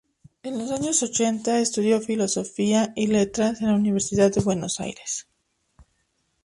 En los años ochenta estudió Filosofía y Letras en la Universidad de Buenos Aires.